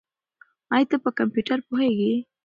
ایا ته په کمپیوټر پوهېږې؟